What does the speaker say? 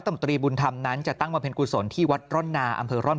มตรีบุญธรรมนั้นจะตั้งบำเพ็ญกุศลที่วัดร่อนนาอำเภอร่อน